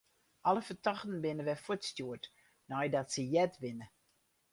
Alle fertochten binne wer fuortstjoerd neidat se heard binne.